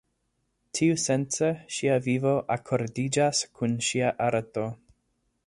Tiusence, ŝia vivo akordiĝas kun ŝia arto.